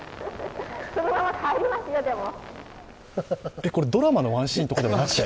え、これドラマのワンシーンとかではなしに？